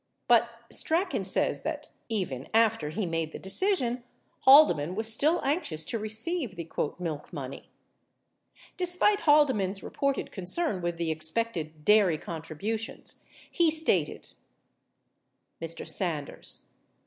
20 But Strachan says that, even after he made the decision, Haldeman was still anxious to receive the "milk money." 21 Despite Haldeman's reported concern with the expected dairy con tributions, he stated : Mr. Sanders.